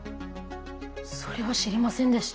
それは知りませんでした。